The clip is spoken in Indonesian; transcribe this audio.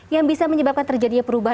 yang bisa menyebabkan terjadinya perubahan